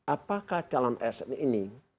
apakah calon asn ini